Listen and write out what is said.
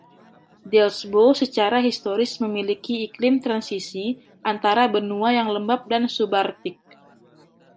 Delsbo secara historis memiliki iklim transisi antara benua yang lembap dan subarctic.